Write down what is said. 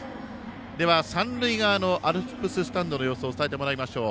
では、三塁側のアルプススタンドの様子を伝えてもらいましょう。